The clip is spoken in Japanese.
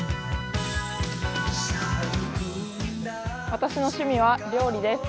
私の趣味は料理です。